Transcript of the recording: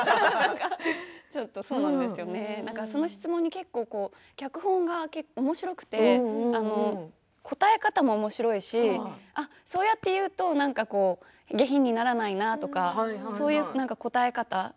その質問に脚本がおもしろくて答え方もおもしろいしそうやって言うと下品にならないなとかそういう答え方。